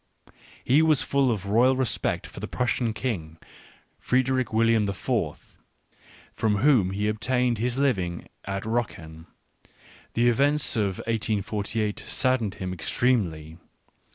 He was full of loyal respect for the Prussian King, Frederick William the Fourth, from whom he obtained his living at Rocken ; the events of 1848 saddened him extremely.